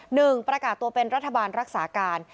หนึ่งประกาศตัวเป็นรัฐบาลรักษาการ